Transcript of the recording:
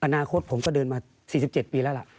อนาคตผมก็เดินมา๔๗ปีแล้วล่ะ